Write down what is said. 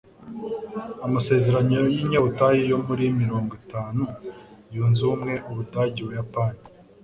Amasezerano y’inyabutatu yo muri mirongo itanu yunze ubumwe Ubudage, Ubuyapani